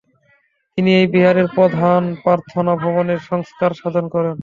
তিনি এই বিহারের প্রধান প্রার্থনা ভবনের সংস্কার সাধন করেন।